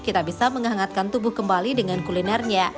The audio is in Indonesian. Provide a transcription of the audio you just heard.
kita bisa menghangatkan tubuh kembali dengan kulinernya